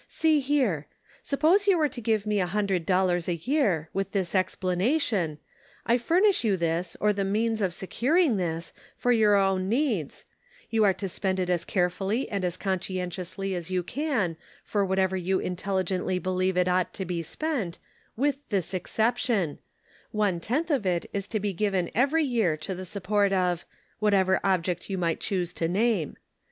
"See here. Suppose you were to give me a hundred dollars a year, with this explanation ; I furnish you this, or the means of securing this, for your own needs ; you are to spend it as carefully and as conscientiously as you can, for whatever you intelligently believe it ought to be spent, with this exception — one tenth of it is to be given every year to the support of — whatever object you might choose to name.